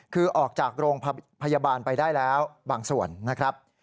คือออกจากโรงพยาบาลไปได้แล้วบางส่วนนะครับ